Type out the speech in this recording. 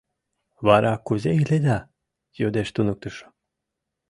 — Вара кузе иледа? — йодеш туныктышо.